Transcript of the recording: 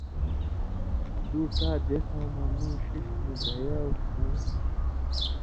دُو ڇا دیسؤں مہ مِیں ݜِݜ نی دھیاؤ کھیں